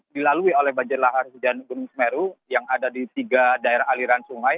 dilalui oleh banjir lahar hujan gunung semeru yang ada di tiga daerah aliran sungai